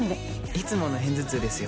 いつもの片頭痛ですよ。